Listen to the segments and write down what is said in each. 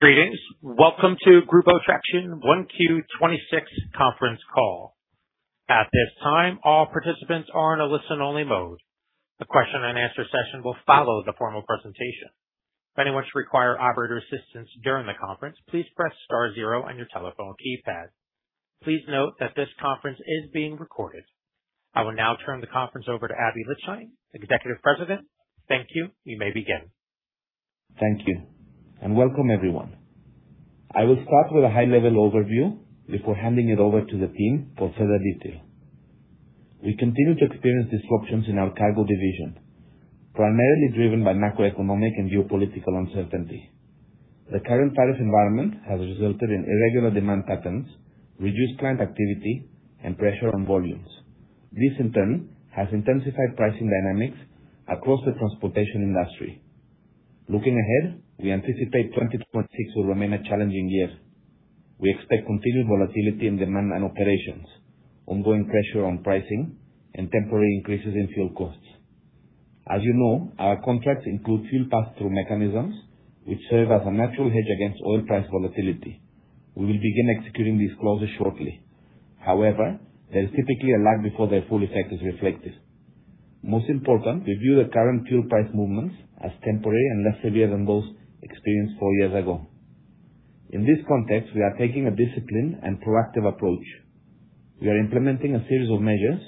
I will now turn the conference over to Aby Lijtszain, Executive President. Thank you. You may begin. Thank you. Welcome, everyone. I will start with a high-level overview before handing it over to the team for further detail. We continue to experience disruptions in our cargo division, primarily driven by macroeconomic and geopolitical uncertainty. The current tariff environment has resulted in irregular demand patterns, reduced plant activity, and pressure on volumes. This, in turn, has intensified pricing dynamics across the transportation industry. Looking ahead, we anticipate 2026 will remain a challenging year. We expect continued volatility in demand and operations, ongoing pressure on pricing, and temporary increases in fuel costs. As you know, our contracts include fuel pass-through mechanisms, which serve as a natural hedge against oil price volatility. We will begin executing these clauses shortly. However, there is typically a lag before their full effect is reflected. Most important, we view the current fuel price movements as temporary and less severe than those experienced four years ago. In this context, we are taking a disciplined and proactive approach. We are implementing a series of measures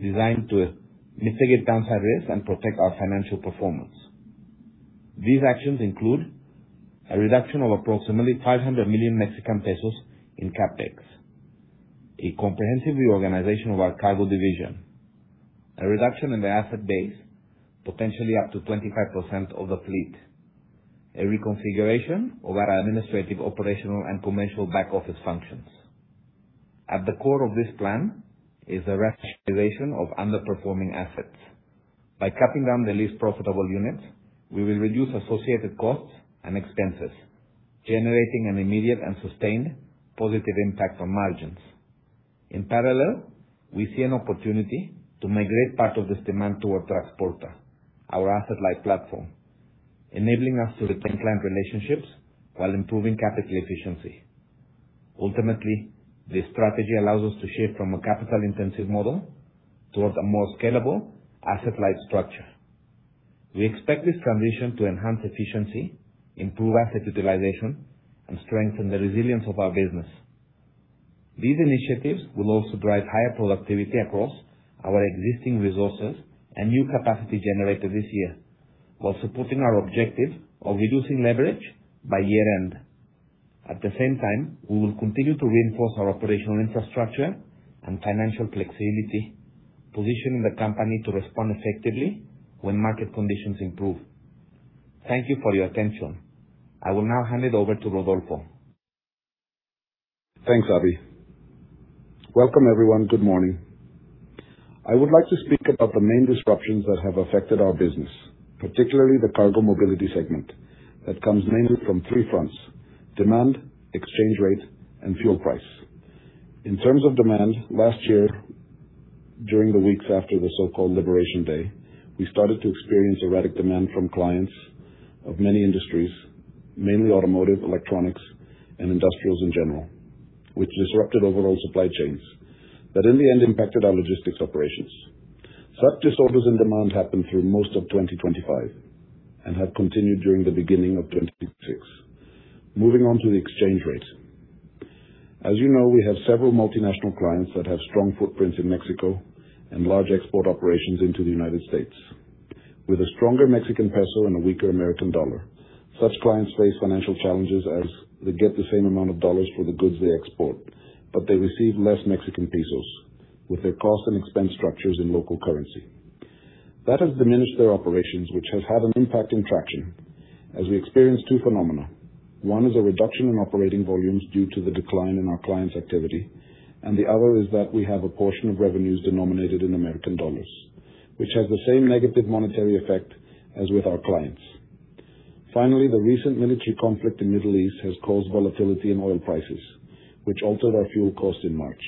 designed to mitigate downside risks and protect our financial performance. These actions include a reduction of approximately 500 million Mexican pesos in CapEx, a comprehensive reorganization of our cargo division, a reduction in the asset base, potentially up to 25% of the fleet, a reconfiguration of our administrative, operational, and commercial back-office functions. At the core of this plan is the rationalization of underperforming assets. By cutting down the least profitable units, we will reduce associated costs and expenses, generating an immediate and sustained positive impact on margins. In parallel, we see an opportunity to migrate part of this demand to our transport, our asset-light platform, enabling us to retain client relationships while improving capital efficiency. Ultimately, this strategy allows us to shift from a capital-intensive model towards a more scalable asset-light structure. We expect this transition to enhance efficiency, improve asset utilization, and strengthen the resilience of our business. These initiatives will also drive higher productivity across our existing resources and new capacity generated this year, while supporting our objective of reducing leverage by year-end. At the same time, we will continue to reinforce our operational infrastructure and financial flexibility, positioning the company to respond effectively when market conditions improve. Thank you for your attention. I will now hand it over to Rodolfo. Thanks, Aby. Welcome, everyone. Good morning. I would like to speak about the main disruptions that have affected our business, particularly the Cargo Mobility segment, that comes mainly from three fronts: demand, exchange rate, and fuel price. In terms of demand, last year, during the weeks after the so-called Liberation Day, we started to experience erratic demand from clients of many industries, mainly automotive, electronics, and industrials in general, which disrupted overall supply chains that in the end impacted our logistics operations. Such disorders and demand happened through most of 2025 and have continued during the beginning of 2026. Moving on to the exchange rate. As you know, we have several multinational clients that have strong footprints in Mexico and large export operations into the United States. With a stronger Mexican peso and a weaker American dollar, such clients face financial challenges as they get the same amount of dollars for the goods they export, but they receive less Mexican pesos with their cost and expense structures in local currency. That has diminished their operations, which has had an impact in Traxión as we experience two phenomena. One is a reduction in operating volumes due to the decline in our clients' activity, and the other is that we have a portion of revenues denominated in American dollars, which has the same negative monetary effect as with our clients. Finally, the recent military conflict in Middle East has caused volatility in oil prices, which altered our fuel cost in March.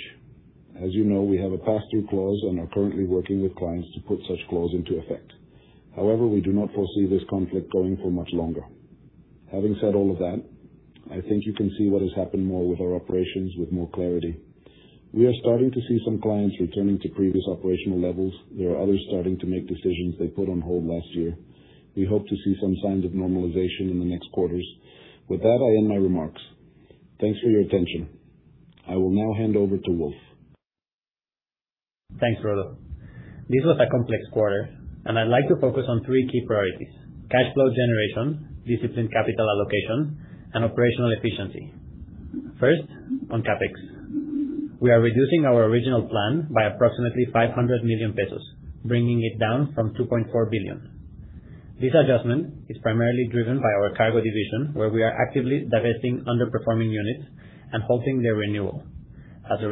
As you know, we have a pass-through clause and are currently working with clients to put such clause into effect. However, we do not foresee this conflict going for much longer. Having said all of that, I think you can see what has happened more with our operations with more clarity. We are starting to see some clients returning to previous operational levels. There are others starting to make decisions they put on hold last year. We hope to see some signs of normalization in the next quarters. With that, I end my remarks. Thanks for your attention. I will now hand over to Wolf. Thanks, Rodolfo. This was a complex quarter, and I'd like to focus on three key priorities: cash flow generation, disciplined capital allocation, and operational efficiency. First, on CapEx. We are reducing our original plan by approximately 500 million pesos, bringing it down from 2.4 billion. This adjustment is primarily driven by our cargo division, where we are actively divesting underperforming units and halting their renewal. As a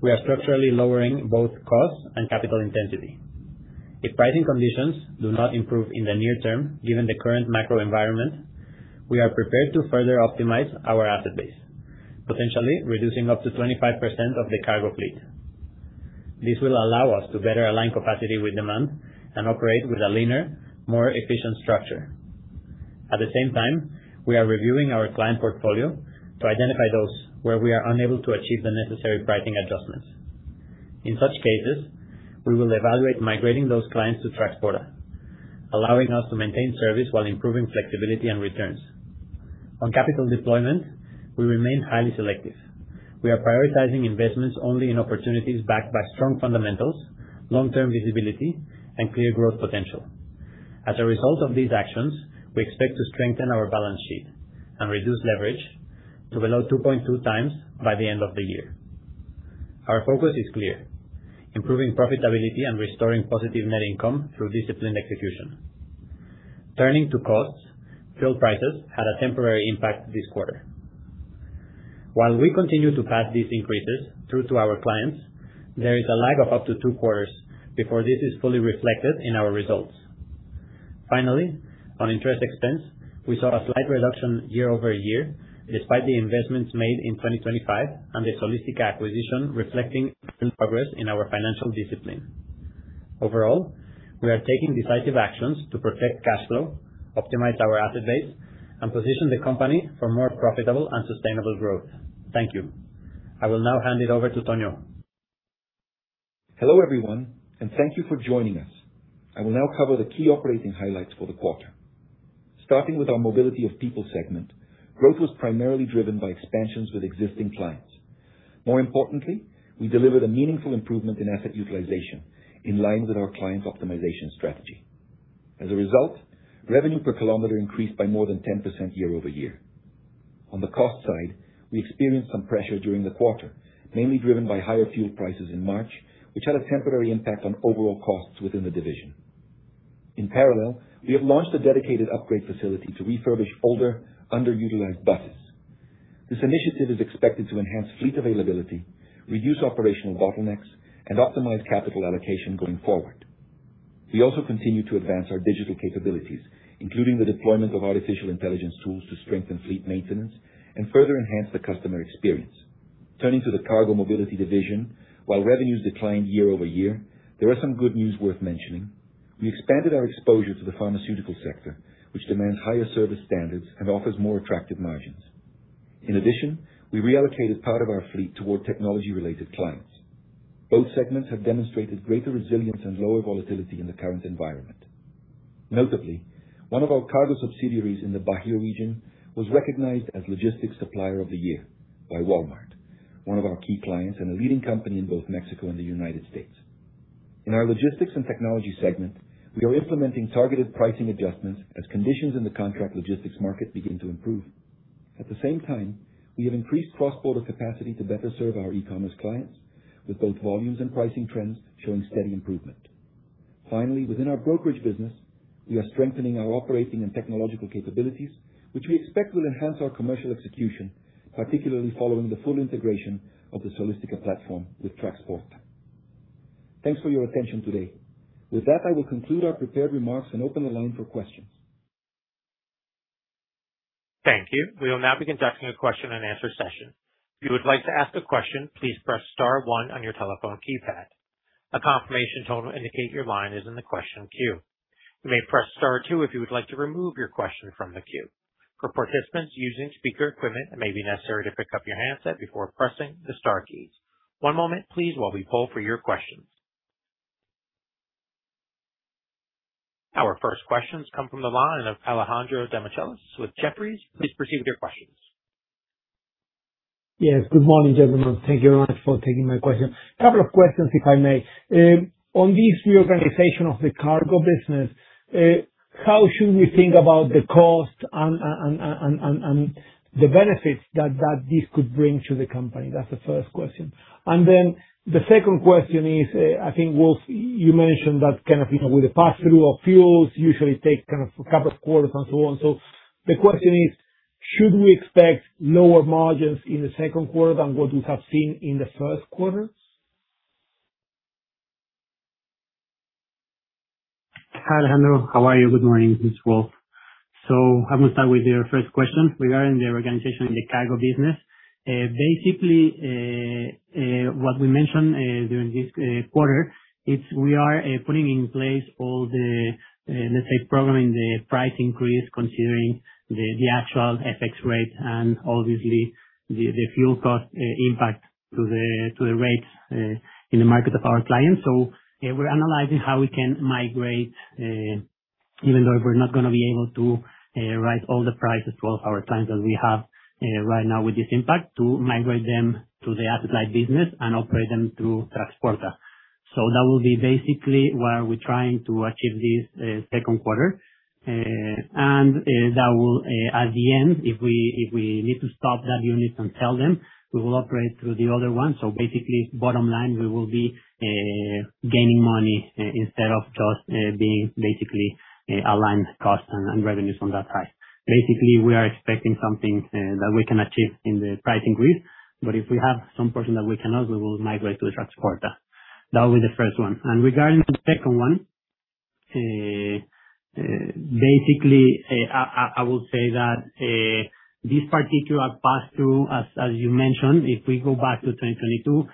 result, we are structurally lowering both costs and capital intensity. If pricing conditions do not improve in the near term, given the current macro environment, we are prepared to further optimize our asset base, potentially reducing up to 25% of the cargo fleet. This will allow us to better align capacity with demand and operate with a leaner, more efficient structure. At the same time, we are reviewing our client portfolio to identify those where we are unable to achieve the necessary pricing adjustments. In such cases, we will evaluate migrating those clients to Traxporta, allowing us to maintain service while improving flexibility and returns. On capital deployment, we remain highly selective. We are prioritizing investments only in opportunities backed by strong fundamentals, long-term visibility, and clear growth potential. As a result of these actions, we expect to strengthen our balance sheet and reduce leverage to below 2.2x by the end of the year. Our focus is clear: improving profitability and restoring positive net income through disciplined execution. Turning to costs, fuel prices had a temporary impact this quarter. While we continue to pass these increases through to our clients, there is a lag of up to two quarters before this is fully reflected in our results. Finally, on interest expense, we saw a slight reduction year-over-year, despite the investments made in 2025 and the Solistica acquisition reflecting progress in our financial discipline. Overall, we are taking decisive actions to protect cash flow, optimize our asset base, and position the company for more profitable and sustainable growth. Thank you. I will now hand it over to Antonio. Hello, everyone, and thank you for joining us. I will now cover the key operating highlights for the quarter. Starting with our Mobility of People segment, growth was primarily driven by expansions with existing clients. More importantly, we delivered a meaningful improvement in asset utilization in line with our client optimization strategy. As a result, revenue per kilometer increased by more than 10% year-over-year. On the cost side, we experienced some pressure during the quarter, mainly driven by higher fuel prices in March, which had a temporary impact on overall costs within the division. In parallel, we have launched a dedicated upgrade facility to refurbish older, underutilized buses. This initiative is expected to enhance fleet availability, reduce operational bottlenecks, and optimize capital allocation going forward. We also continue to advance our digital capabilities, including the deployment of artificial intelligence tools to strengthen fleet maintenance and further enhance the customer experience. Turning to the Cargo Mobility division, while revenues declined year-over-year, there are some good news worth mentioning. We expanded our exposure to the pharmaceutical sector, which demands higher service standards and offers more attractive margins. In addition, we reallocated part of our fleet toward technology-related clients. Both segments have demonstrated greater resilience and lower volatility in the current environment. Notably, one of our cargo subsidiaries in the Bajio region was recognized as Logistics Supplier of the Year by Walmart, one of our key clients and a leading company in both Mexico and the United States. In our Logistics and Technology segment, we are implementing targeted pricing adjustments as conditions in the contract logistics market begin to improve. At the same time, we have increased cross-border capacity to better serve our e-commerce clients, with both volumes and pricing trends showing steady improvement. Finaly, within our brokerage business, we are strengthening our operating and technological capabilities, which we expect will enhance our commercial execution, particularly following the full integration of the Solistica platform with Traxporta. Thanks for your attention today. I will conclude our prepared remarks and open the line for questions. Thank you. We will now be conducting a question and answer session. If you would like to ask a question, please press star one on your telephone keypad. A confirmation tone will indicate your line is in the question queue. You may press star two if you would like to remove your question from the queue. For participants using speaker equipment, it may be necessary to pick up your handset before pressing the star keys. One moment please while we poll for your questions. Our first questions come from the line of Alejandro Demichelis with Jefferies. Please proceed with your questions. Yes, good morning, gentlemen. Thank, thank you very much for taking my question. Couple of questions, if I may. On this reorganization of the cargo business, how should we think about the cost and the benefits that this could bring to the company? That's the first question. The second question is, I think, Wolf, you mentioned that kind of, you know, with the passthrough of fuels usually take kind of a couple of quarters and so on. The question is, should we expect lower margins in the second quarter than what we have seen in the first quarter? Alejandro, how are you? Good morning. This is Wolf. I will start with your first question regarding the organization in the Mobility of Cargo business. Basically, what we mentioned during this quarter is we are putting in place all the, let's say, programming the price increase considering the actual FX rate and obviously the fuel cost impact to the rates in the market of our clients. We're analyzing how we can migrate, even though if we're not going to be able to raise all the prices for all of our clients that we have right now with this impact to migrate them to the asset-light business and operate them through Traxporta. That will be basically where we're trying to achieve this second quarter. That will at the end, if we, if we need to stop that unit and sell them, we will operate through the other one. Basically, bottom line, we will be gaining money instead of just being basically aligned cost and revenues from that price. Basically, we are expecting something that we can achieve in the price increase, but if we have some portion that we cannot, we will migrate to the Traxporta. That was the first one. Regarding the second one. Basically, I would say that this particular pass-through, as you mentioned, if we go back to 2022,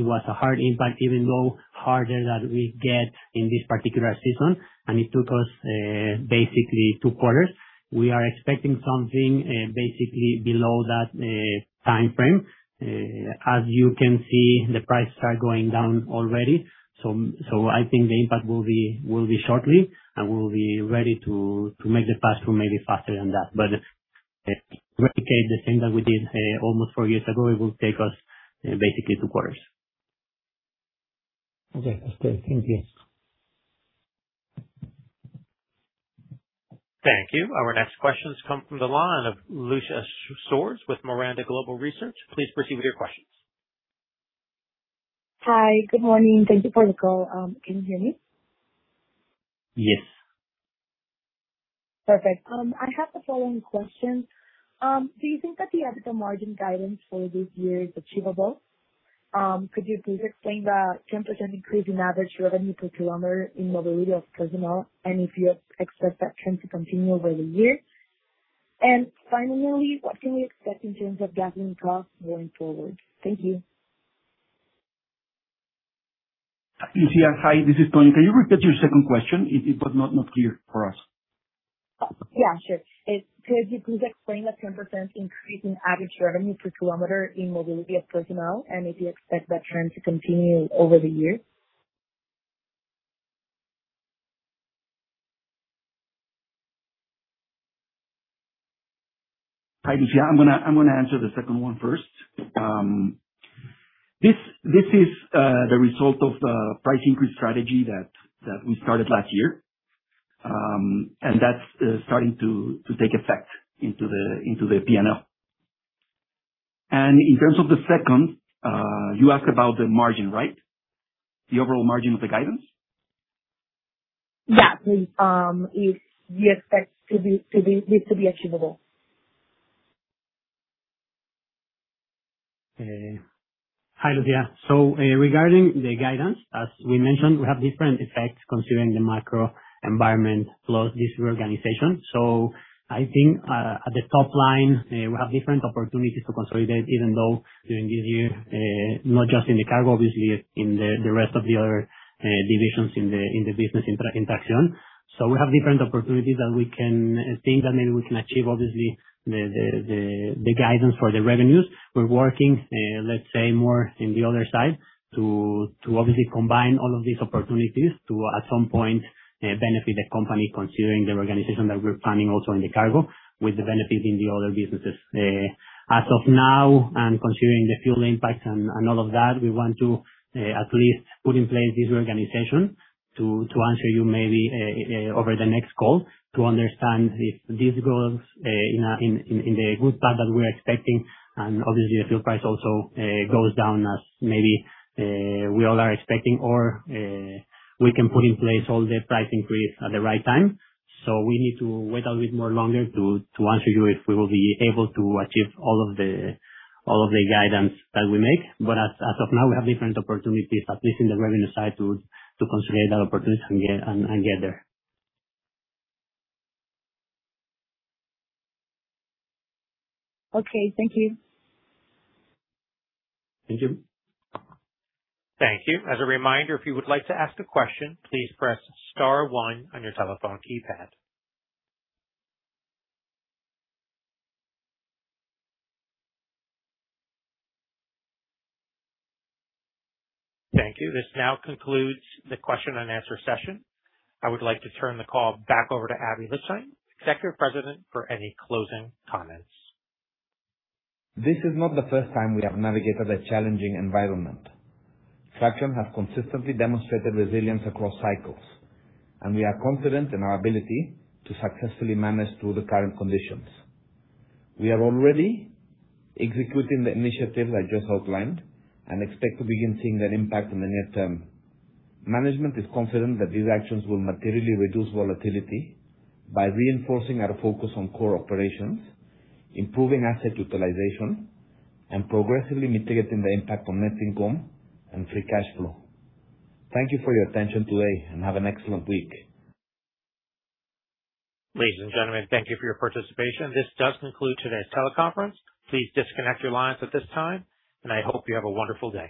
it was a hard impact, even though harder that we get in this particular season, and it took us basically two quarters. We are expecting something basically below that timeframe. As you can see, the prices are going down already. I think the impact will be shortly, and we'll be ready to make the pass-through maybe faster than that. Replicate the thing that we did almost four years ago, it will take us basically two quarters. Okay. That's clear. Thank you. Thank you. Our next question comes from the line of Lucia Sors with Miranda Global Research. Please proceed with your questions. Hi. Good morning. Thank you for the call. Can you hear me? Yes. Perfect. I have the following questions. Do you think that the EBITDA margin guidance for this year is achievable? Could you please explain the 10% increase in average revenue per kilometer in Mobility of Personnel, and if you expect that trend to continue over the years? Finally, what can we expect in terms of gasoline costs going forward? Thank you. Lucia, hi, this is Tony. Can you repeat your second question? It was not clear for us. Yeah, sure. Could you please explain the 10% increase in average revenue per kilometer in Mobility of Personnel, and if you expect that trend to continue over the years? Hi, Lucia. I'm gonna answer the second one first. This is the result of the price increase strategy that we started last year. That's starting to take effect into the P&L. In terms of the second, you asked about the margin, right? The overall margin of the guidance? Yeah. Please. If you expect this to be achievable? Hi, Lucia. Regarding the guidance, as we mentioned, we have different effects considering the macro environment plus this reorganization. I think, at the top line, we have different opportunities to consolidate, even though during this year, not just in the cargo, obviously in the rest of the other divisions in the business in truck in Traxión. We have different opportunities that we can think that maybe we can achieve, obviously, the guidance for the revenues. We're working, let's say, more in the other side to obviously combine all of these opportunities to, at some point, benefit the company considering the reorganization that we're planning also in the cargo with the benefit in the other businesses. As of now and considering the fuel impact and all of that, we want to at least put in place this reorganization to answer you maybe over the next call to understand if this goes in a good path that we're expecting. Obviously the fuel price also goes down as maybe we all are expecting or we can put in place all the price increase at the right time. We need to wait a little bit more longer to answer you if we will be able to achieve all of the guidance that we make. As of now, we have different opportunities, at least in the revenue side, to consolidate that opportunity and get there. Okay. Thank you. Thank you. Thank you. As a reminder, if you would like to ask a question, please press star one on your telephone keypad. Thank you. This now concludes the question and answer session. I would like to turn the call back over to Aby Lijtszain, Executive President, for any closing comments. This is not the first time we have navigated a challenging environment. Traxión has consistently demonstrated resilience across cycles, and we are confident in our ability to successfully manage through the current conditions. We are already executing the initiatives I just outlined and expect to begin seeing that impact in the near term. Management is confident that these actions will materially reduce volatility by reinforcing our focus on core operations, improving asset utilization, and progressively mitigating the impact on net income and free cash flow. Thank you for your attention today, and have an excellent week. Ladies and gentlemen, thank you for your participation. This does conclude today's teleconference. Please disconnect your lines at this time, and I hope you have a wonderful day.